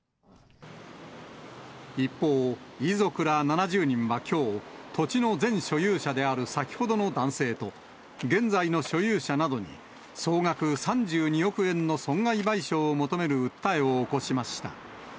一方、遺族ら７０人はきょう、土地の前所有者である先ほどの男性と、現在の所有者などに、総額３２億円の損害賠償を求める訴えを起こしました。